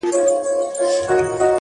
o ما يې اوږده غمونه لنډي خوښۍ نه غوښتې،